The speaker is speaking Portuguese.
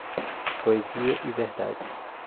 Poesia e verdade.